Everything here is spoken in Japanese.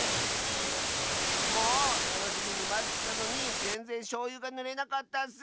もうたのしみにまってたのにぜんぜんしょうゆがぬれなかったッス！